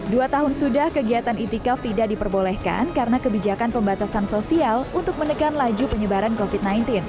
dua tahun sudah kegiatan itikaf tidak diperbolehkan karena kebijakan pembatasan sosial untuk menekan laju penyebaran covid sembilan belas